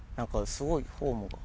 すごいフォームが。